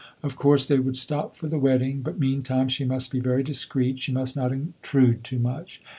Of course they would stop for the wedding; but meantime she must be very discreet; she must not intrude too much.